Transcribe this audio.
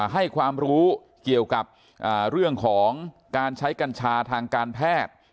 ให้ความรู้เกี่ยวกับเรื่องของการใช้กัญชาทางการแพทย์